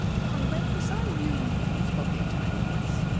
"Why, right beside you," spoke a tiny voice.